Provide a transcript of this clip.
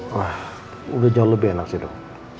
wah udah jauh lebih enak sih dok